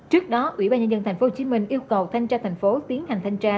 trước đó ủy ban nhân dân tp hcm yêu cầu thanh tra thành phố tiến hành thanh tra